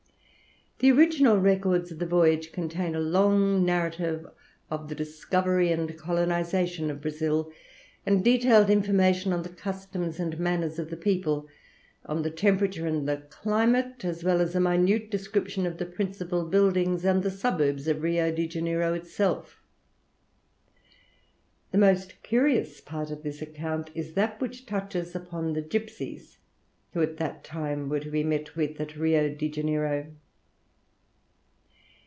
The original records of the voyage contain a long narrative of the discovery and colonization of Brazil, and detailed information on the customs and manners of the people, on the temperature and the climate, as well as a minute description of the principal buildings and the suburbs of Rio de Janeiro itself. The most curious part of this account is that which touches upon the gipsies, who, at that time, were to be met with at Rio de Janeiro.